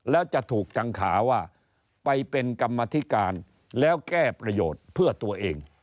แล้วจะถูกกังขาว่าไปเป็นกรรมธิการแล้วแก้ประโยชน์เพื่อตัวเอง